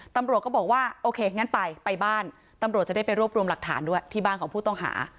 ตำรวจก็บอกว่าโอเคงั้นไปไปบ้านตำรวจจะได้ไปรวบรวมหลักฐานด้วยที่บ้านของผู้ต้องหา